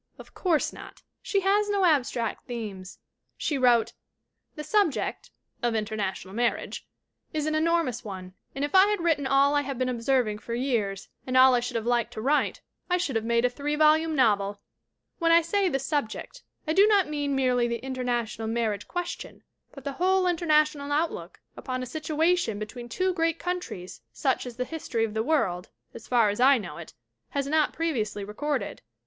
Of course not. She has no abstract themes. She wrote: "The subject (of international marriage) is an enormous one, and if I had written all I have been observing for years and all I should have liked to write I should have made a three volume novel. "When I say 'the subject' I do not mean merely the international marriage question, but the whole inter national outlook upon a situation between two great countries such as the history of the world as far as I know it has not previously recorded.